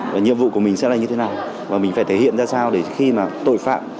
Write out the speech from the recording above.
và nhiệm vụ của mình sẽ là như thế nào và mình phải thể hiện ra sao để khi mà tội phạm